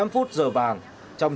năm phút giờ vàng